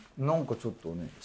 何かちょっとね。